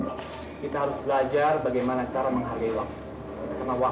belajar kita harus belajar bagaimana cara menghadirkan semua waktu pada uang uang dan